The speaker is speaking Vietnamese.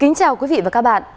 kính chào quý vị và các bạn